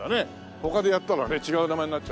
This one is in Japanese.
他でやったらね違う名前になっちゃうもんね。